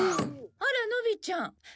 あらのびちゃん。